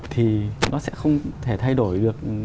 thì nó sẽ không thể thay đổi được